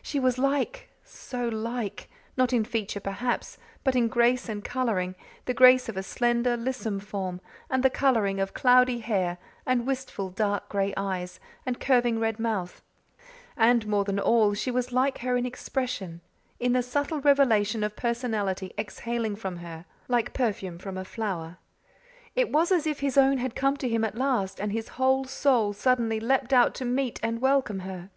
She was like so like; not in feature, perhaps, but in grace and colouring the grace of a slender, lissome form and the colouring of cloudy hair and wistful, dark gray eyes, and curving red mouth; and more than all, she was like her in expression in the subtle revelation of personality exhaling from her like perfume from a flower. It was as if his own had come to him at last and his whole soul suddenly leaped out to meet and welcome her.